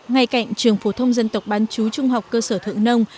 ngay cạnh trường phổ thông dân tộc bán chú trung học cơ sở thượng nông